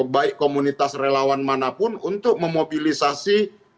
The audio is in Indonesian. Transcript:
baik komunitas relawan manapun untuk memobilisasi